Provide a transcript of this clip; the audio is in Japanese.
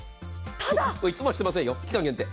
いつもはしてませんよ、期間限定。